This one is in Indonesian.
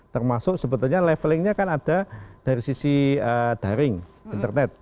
termasuk sebetulnya levelingnya kan ada dari sisi daring internet